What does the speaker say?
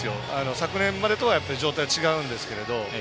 昨年までとは状態、違うんですけれど。